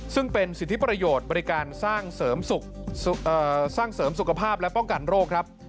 ซึ่งเป็นสิทธิประโยชน์บริการสร้างเสริมสุขภาพและป้องกันโรคครับ